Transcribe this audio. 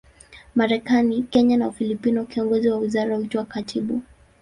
Marekani, Kenya na Ufilipino, kiongozi wa wizara huitwa katibu.